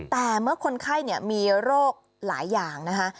แต่เมื่อคนไข้มีโรคหลายอย่างนะคะ